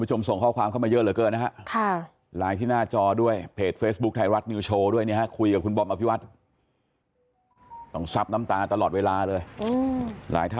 อืมเราได้บอกอะไรกับเขาไหมที่เขาทำอย่างนั้นแล้ว